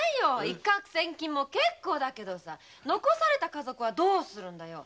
一獲千金も結構だけど残された家族はどうするのよ